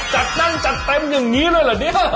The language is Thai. จัดแน่นจัดเต็มอย่างนี้เลยเหรอเนี่ย